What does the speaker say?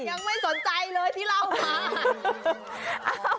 ยังไม่สนใจเลยที่เล่ามา